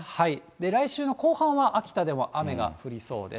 来週の後半は秋田でも雨が降りそうです。